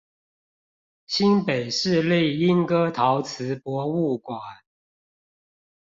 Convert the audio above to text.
新北市立鶯歌陶瓷博物館